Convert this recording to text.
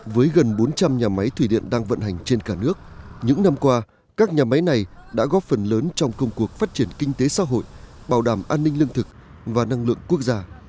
với gần bốn trăm linh nhà máy thủy điện đang vận hành trên cả nước những năm qua các nhà máy này đã góp phần lớn trong công cuộc phát triển kinh tế xã hội bảo đảm an ninh lương thực và năng lượng quốc gia